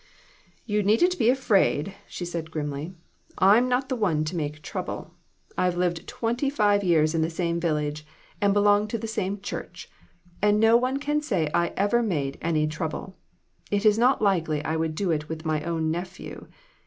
"You needn't be afraid," she said, grimly; "I'm not one to make trouble. I lived twenty five years in the same village, and belonged to the same church; and no one can say I ever made any trouble. It is not likely I would do it with my own nephew.